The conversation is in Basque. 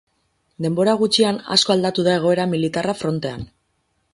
Denbora gutxian asko aldatu da egoera militarra frontean.